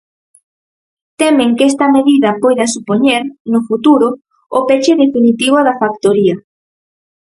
Temen que esta medida poida supoñer, no futuro, o peche definitivo da factoría.